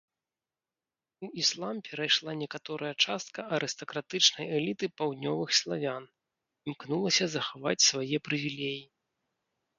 У іслам перайшла некаторая частка арыстакратычнай эліты паўднёвых славян, імкнулася захаваць свае прывілеі.